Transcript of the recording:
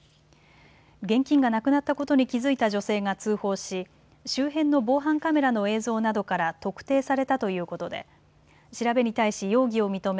現金がなくなったことに気付いた女性が通報し、周辺の防犯カメラの映像などから特定されたということで調べに対し容疑を認め